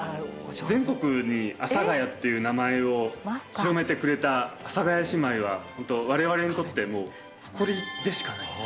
全国に阿佐ヶ谷っていう名前を広めてくれた阿佐ヶ谷姉妹は本当我々にとってもう誇りでしかない。